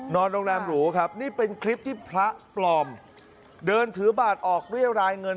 โรงแรมหรูครับนี่เป็นคลิปที่พระปลอมเดินถือบาทออกเรียรายเงิน